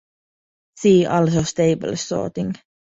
See also stable sorting.